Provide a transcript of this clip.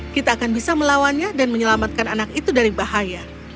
kita akan bisa melawannya dan menyelamatkan anak itu dari bahaya